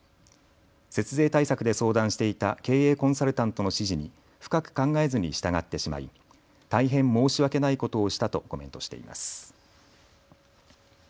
節税対策で相談していた経営コンサルタントの指示に深く考えずに従ってしまい大変申し訳ないことをしたとコメントしています。